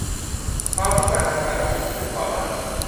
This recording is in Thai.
ความพิการทางการได้ยินหรือสื่อความหมาย